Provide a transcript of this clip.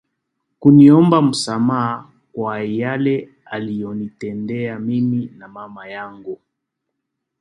kuniomba msamaha kwa yale aliyotutendea mimi na mama yangu